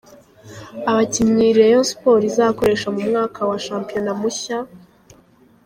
Abakinnyi Rayon Sports izakoresha mu mwaka wa shampiyona mushya:.